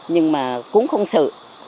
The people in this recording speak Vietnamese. nhưng mà cũng không sợ